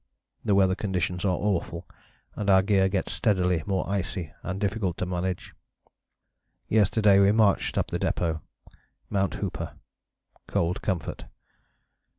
The weather conditions are awful, and our gear gets steadily more icy and difficult to manage.... "Yesterday we marched up the depôt, Mt. Hooper. Cold comfort.